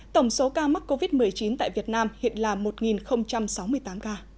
tổng số ca mắc covid một mươi chín tại việt nam hiện là một sáu mươi tám ca